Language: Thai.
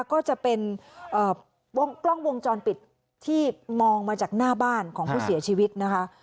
ก็จะเป็นกล้องวงจรปิดที่มองมาจากหน้าบ้านของผู้เสียชีวิตนะคะ